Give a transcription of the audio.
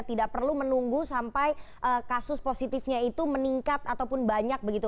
tidak perlu menunggu sampai kasus positifnya itu meningkat ataupun banyak begitu